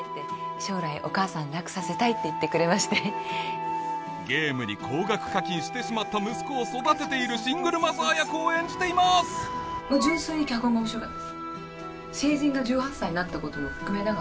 将来お母さんに楽させたいって言ってくれましてゲームに高額課金してしまった息子を育てているシングルマザー役を演じていますゲーム？えっ！？